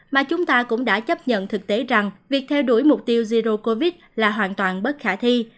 mà chúng ta cũng đã chấp nhận thực tế rằng việc theo đuổi mục tiêu zero covid là hoàn toàn bất khả thi